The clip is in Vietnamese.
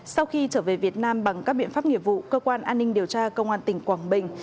sau khi trở về việt nam bằng các biện pháp nghiệp vụ cơ quan an ninh điều tra công an tỉnh quảng bình